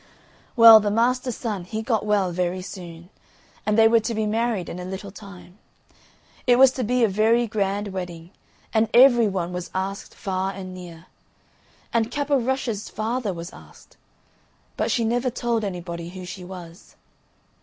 Well, the master's son he got well very soon, and they were to be married in a little time. It was to be a very grand wedding, and every one was asked far and near. And Cap o' Rushes' father was asked. But she never told anybody who she was.